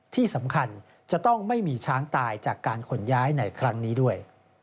ที่สำคัญจะต้องไม่มีช้างตายจากการขนย้ายในครั้งนี้ด้วย